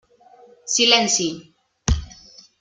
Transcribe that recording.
Silenci!